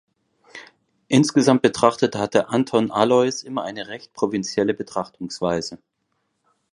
Insgesamt betrachtet hatte Anton Aloys immer eine recht provinzielle Betrachtungsweise.